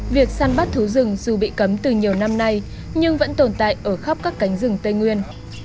việc săn bắt thú rừng dù bị cấm từ nhiều năm nay nhưng vẫn tồn tại ở khắp các cánh rừng tây nguyên